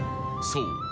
［そう。